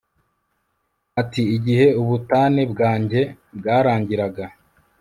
Ati Igihe ubutane bwanjye bwarangiraga